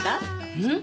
うん？